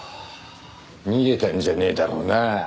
逃げたんじゃねえだろうなあ。